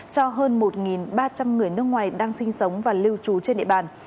cho hơn một ba trăm linh người nước ngoài đang sinh sống và lưu trú trên địa bàn